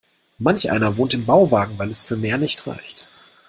Manch einer wohnt im Bauwagen, weil es für mehr nicht reicht.